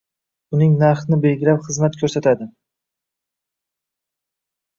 Uning narxni belgilab, xizmat koʻrsatadi